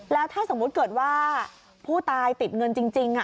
แล้วถ้าสมมุติเกิดว่าผู้ตายติดเงินจริง